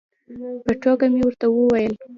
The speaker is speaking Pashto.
په ټوکه مې ورته وویل.